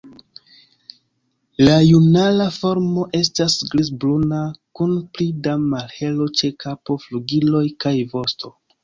La junula formo estas griz-bruna kun pli da malhelo ĉe kapo, flugiloj kaj vosto.